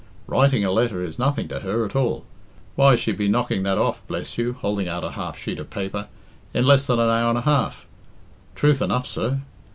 Writing a letter is nothing to her at all. Why, she'd be knocking that off, bless you," holding out a half sheet of paper, "in less than an hour and a half. Truth enough, sir."